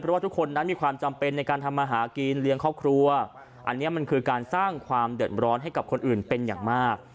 เพราะว่าทุกคนนั้นมีความจำเป็นในการทำมาหากินเลี้ยงครอบครัวอันนี้มันคือการสร้างความเดือดร้อนให้กับคนอื่นเป็นอย่างมาก